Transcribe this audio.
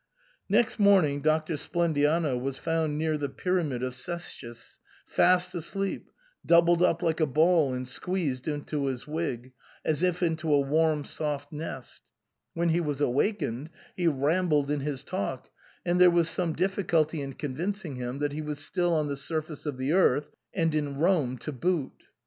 Next morning Doctor Splendiano was found near the Pyramid of Cestius, fast asleep, doubled up like a ball and squeezed into his wig, as if into a warm soft nest. When he was awakened, he rambled in his talk, and there was some difficulty in convincing him that he was still on the surface of the earth, and in Rome to boot.